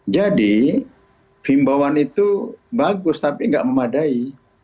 jadi bimbawan itu bagus tapi tidak memadai